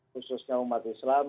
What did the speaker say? khususnya umat islam